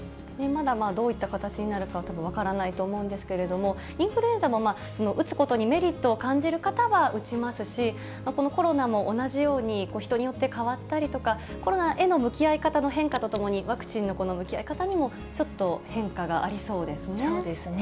まだどういった形になるかは、まだ分からないと思うんですけれども、インフルエンザも、打つことにメリットを感じる方は打ちますし、このコロナも同じように、人によって変わったりとか、コロナへの向き合い方の変化とともに、ワクチンの向き合い方にも、ちょっと変化がありそうですね。